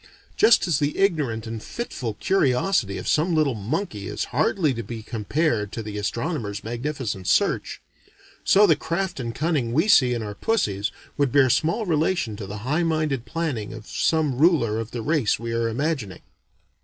Just as the ignorant and fitful curiosity of some little monkey is hardly to be compared to the astronomer's magnificent search, so the craft and cunning we see in our pussies would bear small relation to the high minded planning of some ruler of the race we are imagining.